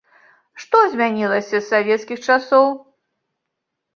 Што змянілася з савецкіх часоў?